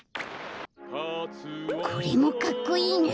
カツオのこれもかっこいいな。